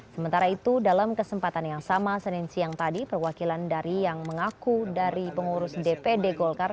sementara itu dalam kesempatan yang sama senin siang tadi perwakilan dari yang mengaku dari pengurus dpd golkar